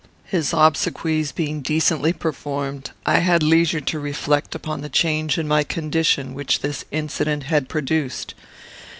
"His obsequies being decently performed, I had leisure to reflect upon the change in my condition which this incident had produced.